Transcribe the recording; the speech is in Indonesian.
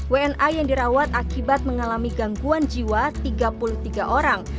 wna yang dirawat akibat mengalami gangguan jiwa tiga puluh tiga orang